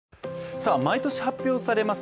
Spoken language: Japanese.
さあ毎年発表されます